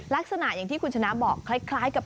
ลักษณะอย่างที่คุณชนะบอกคล้ายกับ